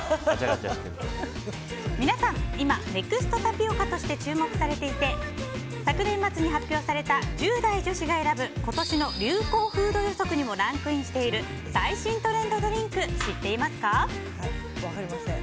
皆さん、今ネクストタピオカとして注目されていて昨年末に発表された１０代女子が選ぶ今年の流行フード予測にもランクインしている最新トレンドドリンク知っていますか？